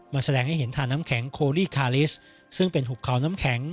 ของธาน้ำแข็งโคลลี่คาริสซึ่งเป็นหุบเขาน้ำแข็ง